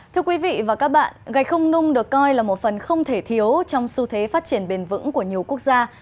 thưa quý vị và các bạn gạch không nung được coi là một phần không thể thiếu trong xu thế phát triển bền vững của nhiều quốc gia